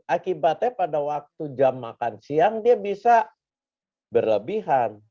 akibatnya pada waktu jam makan siang dia bisa berlebihan